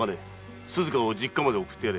鈴加を実家まで送ってやれ。